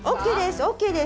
ＯＫです！